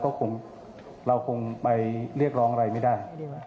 ก็คงเราคงไปเรียกร้องอะไรไม่ได้